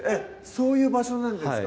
そういう場所なんですか？